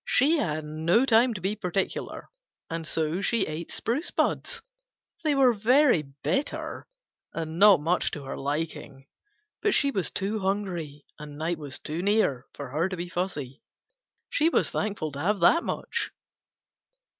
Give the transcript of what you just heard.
She had no time to be particular, and so she ate spruce buds. They were very bitter and not much to her liking, but she was too hungry, and night was too near for her to be fussy. She was thankful to have that much.